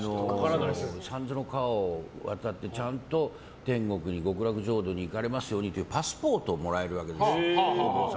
三途の川を渡ってちゃんと天国に極楽浄土に行かれますようにというパスポートをもらえるわけですよ。